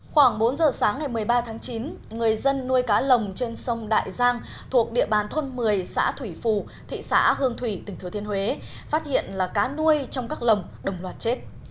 khoảng bốn giờ sáng ngày một mươi ba tháng chín người dân nuôi cá lồng trên sông đại giang thuộc địa bàn thôn một mươi xã thủy phù thị xã hương thủy tỉnh thừa thiên huế phát hiện là cá nuôi trong các lồng đồng loạt chết